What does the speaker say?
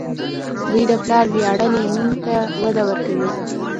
• زوی د پلار ویاړلی نوم ته وده ورکوي.